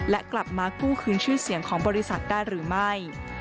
และกลับมากู้คืนชื่อเสียงของบริษัทได้หรือไม่